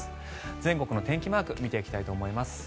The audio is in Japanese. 全国の天気マークを見ていきたいと思います。